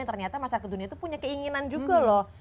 ternyata masyarakat dunia itu punya keinginan juga loh